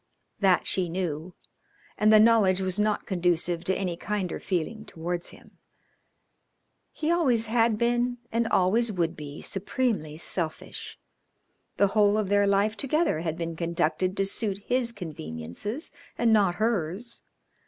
That she knew, and the knowledge was not conducive to any kinder feeling towards him. He always had been and always would be supremely selfish. The whole of their life together had been conducted to suit his conveniences and not hers.